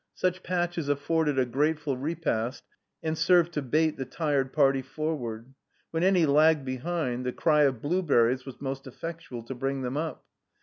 Such patches afforded a grateful repast, and served to bait the tired party forward. When any lagged behind, the cry of "blueberries" was most effectual to bring them up.